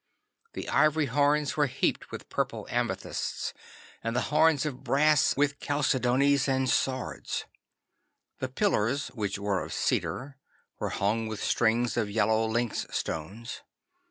The ivory horns were heaped with purple amethysts, and the horns of brass with chalcedonies and sards. The pillars, which were of cedar, were hung with strings of yellow lynx stones.